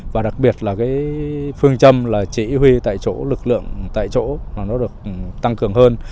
và đặc biệt là cái phương châm là chỉ huy tại chỗ lực lượng tại chỗ là nó được tăng cường hơn